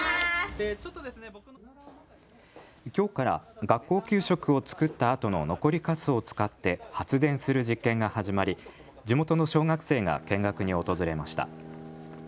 きょうから学校給食を作ったあとの残りかすを使って発電する実験が始まり地元の小学生が見学に訪れました。